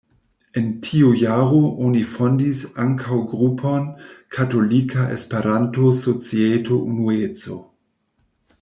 En tiu jaro oni fondis ankaŭ grupon Katolika Esperanto-Societo Unueco.